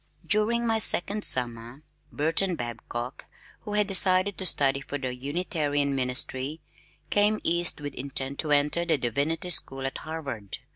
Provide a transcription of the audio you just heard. During my second summer Burton Babcock, who had decided to study for the Unitarian ministry, came east with intent to enter the Divinity School at Harvard.